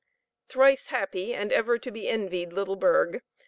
Thrice happy and ever to be envied little burgh!